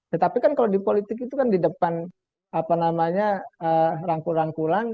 tetapi kan kalau di politik itu kan di depan apa namanya rangkul rangkulan